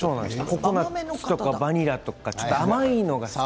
ココナツとかバニラとか甘いのが好き。